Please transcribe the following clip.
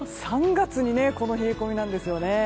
３月にこの冷え込みなんです。